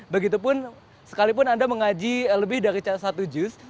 begitupun sekalipun anda mengaji lebih dari satu juz